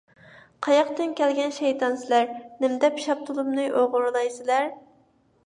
قاياقتىن كەلگەن شەيتان سىلەر! نېمىدەپ شاپتۇلۇمنى ئوغرىلايسىلەر!